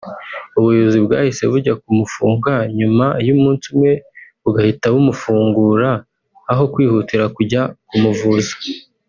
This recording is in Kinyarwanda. ubuyobozi bwahise bujya kumufunga nyuma y’umunsi umwe bugahita bumufungura aho kwihutira kujya kumuvuza